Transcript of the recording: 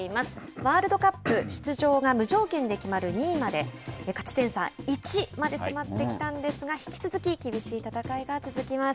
ワールドカップ出場が無条件で決まる２位まで勝ち点差１まで迫ってきたんですが引き続き厳しい戦いが続きます。